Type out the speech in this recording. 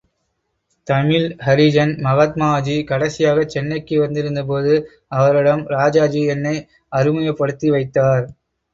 தமிழ் ஹரிஜன் மகாத்மாஜி கடைசியாகச் சென்னைக்கு வந்திருந்தபோது அவரிடம் ராஜாஜி என்னை அறிமுகப்படுத்தி வைத்தார்.